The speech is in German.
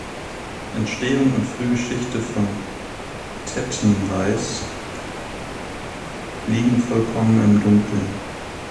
Entstehung und Frühgeschichte von Tettenweis liegen vollkommen im Dunkeln.